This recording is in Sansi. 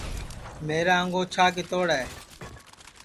میرا انگوچھا کِتوڑ ہے